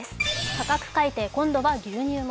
価格改定、今度は牛乳も。